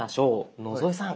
野添さん